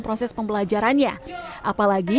proses pembelajarannya apalagi